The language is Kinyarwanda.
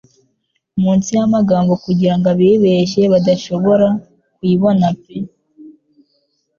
Munsi yamagambo kugirango abibeshye badashobora kuyibona pe